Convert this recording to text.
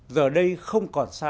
giờ đây không còn xa lạ